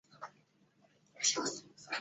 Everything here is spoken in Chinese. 脸部穿环也十分常见。